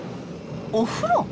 お風呂？